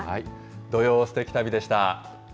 土曜すてき旅でした。